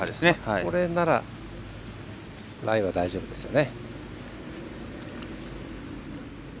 これならライは大丈夫ですね。